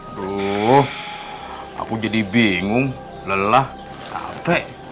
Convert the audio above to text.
aduh aku jadi bingung lelah capek